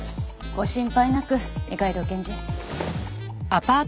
ご心配なく二階堂検事。